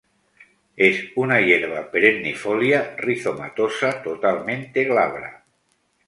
Es una hierba perennifolia, rizomatosa, totalmente glabra.